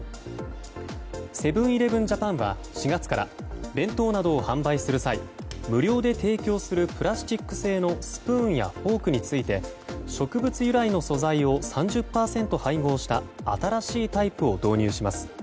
セブン‐イレブン・ジャパンは４月から弁当などを販売する際無料で提供するプラスチック製のスプーンやフォークについて植物由来の素材を３０％配合した新しいタイプを導入します。